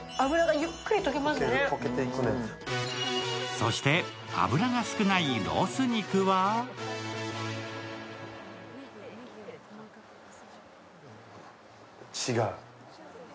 そして、脂が少ないロース肉は違う？